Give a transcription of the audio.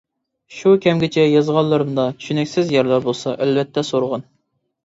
شۇ كەمگىچە يازغانلىرىمدا چۈشىنىكسىز يەرلەر بولسا، ئەلۋەتتە سورىغىن.